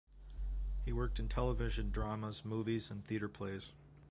He worked in television dramas, movies and theatre plays.